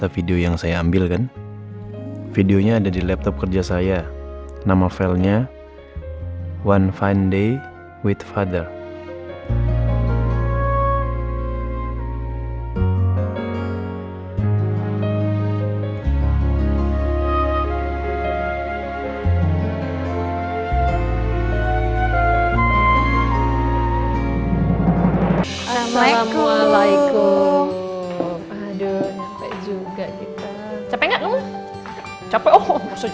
assalamualaikum warahmatullahi wabarakatuh